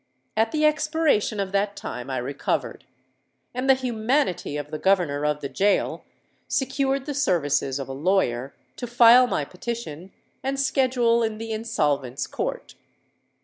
At the expiration of that time I recovered; and the humanity of the governor of the gaol secured the services of a lawyer to file my petition and schedule in the Insolvents' Court.